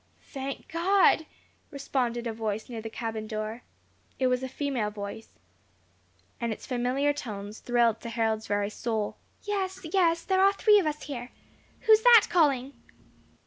"Thank God!" responded a voice near the cabin door. It was a female voice, and its familiar tones thrilled to Harold's very soul. "Yes, yes, there are three of us here. Who is that calling?"